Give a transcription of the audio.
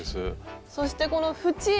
そしてこの縁。